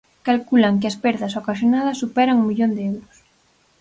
Calculan que as perdas ocasionadas superan o millón de euros.